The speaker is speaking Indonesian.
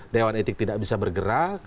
dewan etik tidak bisa bergerak